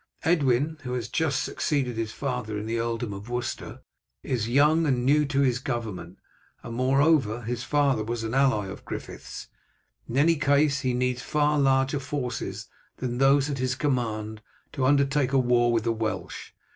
Edwin, who has just succeeded his father in the earldom of Worcester, is young and new to his government, and, moreover, his father was an ally of Griffith's. In any case, he needs far larger forces than those at his command to undertake a war with the Welsh.